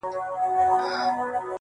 هغه ښکلی په مثال د سومنات دی